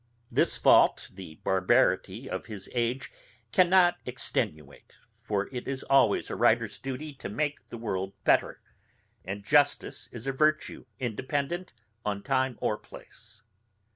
This fault the barbarity of his age cannot extenuate; for it is always a writer's duty to make the world better, and justice is a virtue independent on time or place.